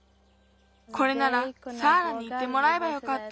これならサーラにいてもらえばよかった。